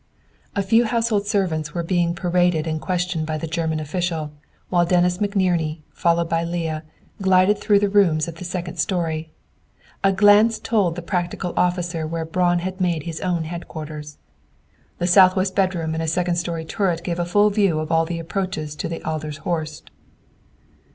The few household servants were being paraded and questioned by the German official, while Dennis McNerney, followed by Leah, glided through the rooms of the second story. A glance told the practical officer where Braun had made his own headquarters. "The southwest bedroom and second story turret gave a view of all of the approaches to the Adler's Horst."